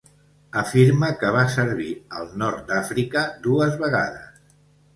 Afirma que va servir al nord d'Àfrica dues vegades.